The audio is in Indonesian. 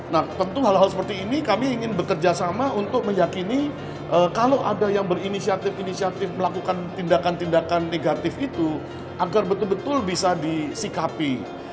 nah tentu hal hal seperti ini kami ingin bekerjasama untuk meyakini kalau ada yang berinisiatif inisiatif melakukan tindakan tindakan negatif itu agar betul betul bisa disikapi